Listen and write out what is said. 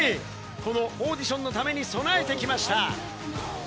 このオーディションのために備えてきました。